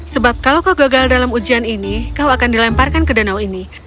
sebab kalau kau gagal dalam ujian ini kau akan dilemparkan ke danau ini